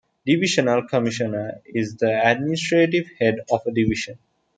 Divisional Commissioner is the administrative head of a division.